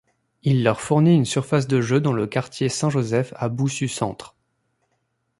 Il leur fourni une surface de jeu dans le quartier Saint-Joseph à Boussu-Centre.